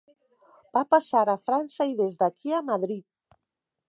Va passar a França i des d'aquí a Madrid.